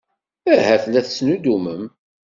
Ahat la tettnuddumem.